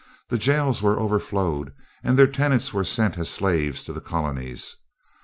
The jails were overflowed, and their tenants were sent as slaves to the colonies.